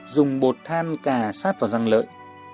dùng bột than cà sát vào răng lợi